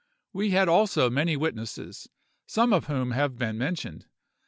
We had also many witnesses, some of whom have been mentioned.